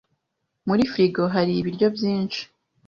Muri firigo hari ibiryo byinshi?